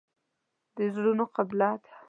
د زړونو قبله ده.